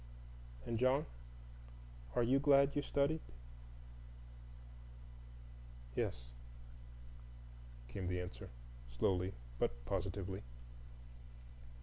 "And, John, are you glad you studied?" "Yes," came the answer, slowly but positively.